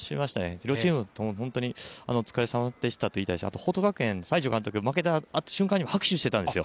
両チームとも本当にお疲れさまでしたと言いたいし、報徳学園、西條監督、負けた瞬間に拍手していたんですよ。